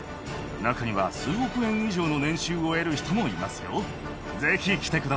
中には数億円以上の年収を得る人もいますよ。